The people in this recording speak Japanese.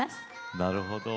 なるほど。